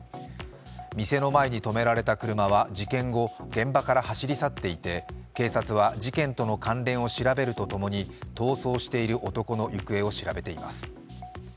店の前に止められた車は事件後、現場から走り去っていて警察は事件との関連を調べるとともに逃走している男の行方を調べています。